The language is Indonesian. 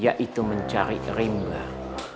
yaitu mencari rimlah